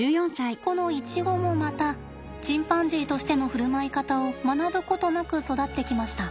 このイチゴもまたチンパンジーとしての振る舞い方を学ぶことなく育ってきました。